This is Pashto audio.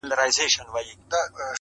یا ربه!